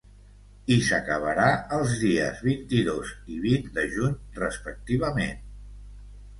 I s’acabarà els dies vint-i-dos i vint de juny, respectivament.